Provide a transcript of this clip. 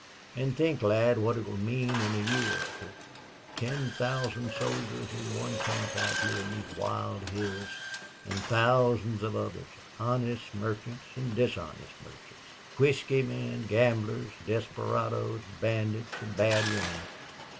And think, lad, what it will mean in a year or two. Ten thousand soldiers in one camp out here in these wild hills. And thousands of others honest merchants and dishonest merchants, whisky men, gamblers, desperadoes, bandits, and bad women.